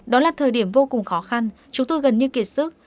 đó là thời điểm vô cùng khó khăn chúng tôi gần như kiệt sức